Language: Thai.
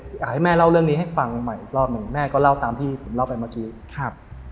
พ่อให้แม่เล่าเรื่องนี้ให้ฟังใหม่รอบหนึ่งแม่ก็เล่าตามที่ฝึกเล่าไปค่ะ